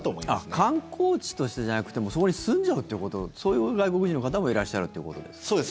観光地としてじゃなくてもうそこに住んじゃうということそういう外国人の方もいらっしゃるということですね。